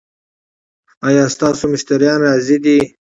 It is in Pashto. ایا ستاسو مشتریان راضي دي؟